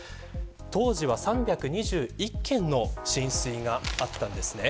当時は、３２１軒の浸水があったんです。